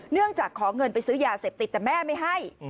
เนื่องจากขอเงินไปซื้อยาเสพติดแต่แม่ไม่ให้